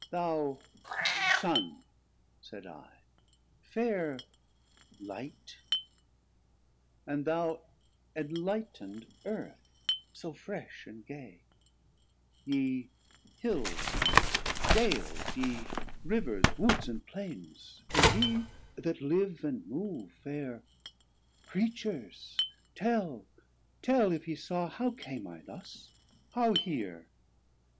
Thou Sun, said I, faire Light, And thou enlight'nd Earth, so fresh and gay, Ye Hills and Dales, ye Rivers, Woods, and Plaines, And ye that live and move, fair Creatures, tell, Tell, if ye saw, how came I thus, how here?